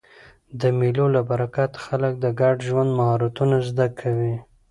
د مېلو له برکته خلک د ګډ ژوند مهارتونه زده کوي.